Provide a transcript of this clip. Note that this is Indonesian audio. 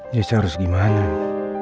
jadi saya harus gimana nih